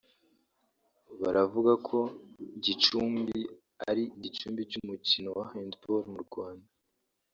Baravuga ko Gicumbi ari igicumbi cy’umukino wa hand ball mu Rwanda